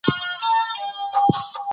تیاره په کوټه کې خپره ده.